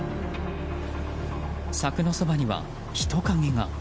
柵のそばには人影が。